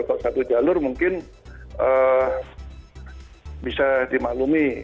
kalau satu jalur mungkin bisa dimaklumi